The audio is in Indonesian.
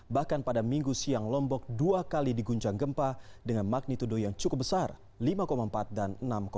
bahkan pada minggu siang lombok dua kali diguncang gempa dengan magnitudo yang cukup besar lima empat dan enam tujuh